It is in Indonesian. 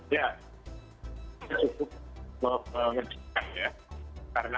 ya cukup mengedihkan ya